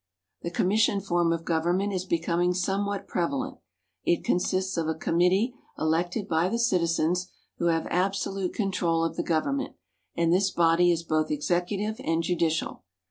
The Commission Form of Government is becoming somewhat prevalent. It consists of a committee elected by the citizens, who have absolute control of the government, and this body is both executive and judicial.